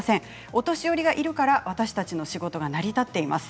お年寄りがいるから私たちの仕事が成り立っています。